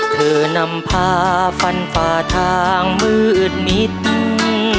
เธอนำพาฝันฝาทางมืออึดมีตึง